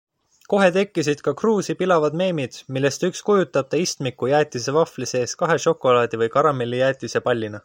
Kohe tekkisid ka Cruise'i pilavad meemid, millest üks kujutab ta istmikku jäätisevahvli sees kahe šokolaadi- või karamellijäätise pallina.